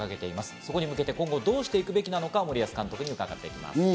そこに向けて、今後どうすべきか、森保監督に伺っていきます。